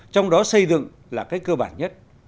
trong đó xây dựng là cái cơ bản nhất